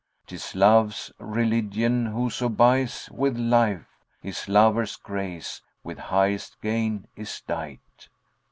'Tis Love's religion whoso buys with life * His lover's grace, with highest gain is dight."